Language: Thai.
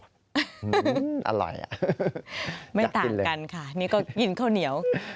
อร่อยไม่ต่างกันค่ะนี่ก็กินข้าวเหนียว